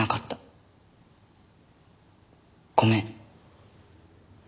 ごめん。